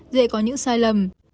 dễ có những sai lầm